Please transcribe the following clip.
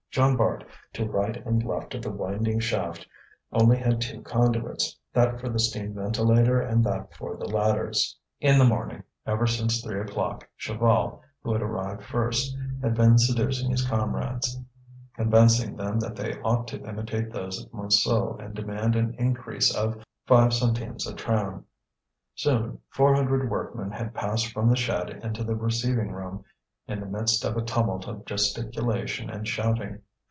Jean Bart, to right and left of the winding shaft, only had two conduits, that for the steam ventilator and that for the ladders. In the morning, ever since three o'clock, Chaval, who had arrived first, had been seducing his comrades, convincing them that they ought to imitate those at Montsou, and demand an increase of five centimes a tram. Soon four hundred workmen had passed from the shed into the receiving room, in the midst of a tumult of gesticulation and shouting.